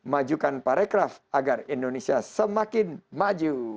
majukan parekraf agar indonesia semakin maju